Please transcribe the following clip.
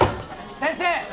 先生！